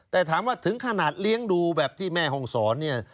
แต่ถามว่าถึงขนาดเลี้ยงดูแบบที่แม่ห้องสอนเนี่ย